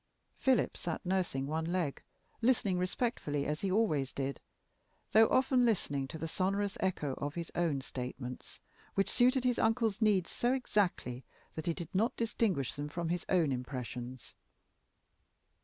Philip sat nursing one leg, listening respectfully, as he always did, though often listening to the sonorous echo of his own statements, which suited his uncle's needs so exactly that he did not distinguish them from his own impressions.